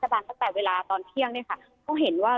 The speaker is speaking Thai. ตั้งแต่เวลาตอนเที่ยงก็เห็นว่า